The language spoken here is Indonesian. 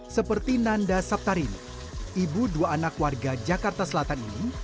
seperti nanda saptarini ibu dua anak warga jakarta selatan ini